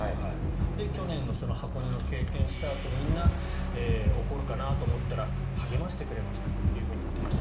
去年の箱根を経験したあとみんな怒るかなと思ったら励ましてくれましたというふうに言っていました。